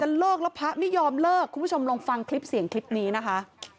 เลิกแล้วพระไม่ยอมเลิกคุณผู้ชมลองฟังคลิปเสียงคลิปนี้นะคะ